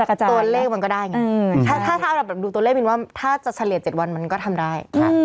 ตัวเลขมันก็ได้ถ้าดูตัวเลขถ้าจะเฉลี่ย๗วันมันก็ทำได้